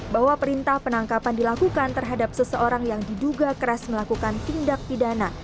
bahwa perintah penangkapan dilakukan terhadap seseorang yang diduga keras melakukan tindak pidana